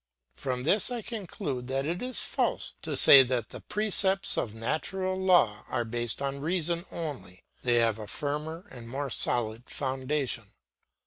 From this I conclude that it is false to say that the precepts of natural law are based on reason only; they have a firmer and more solid foundation.